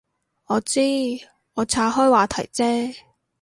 我知，我岔开话题啫